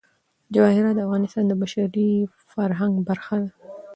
جواهرات د افغانستان د بشري فرهنګ برخه ده.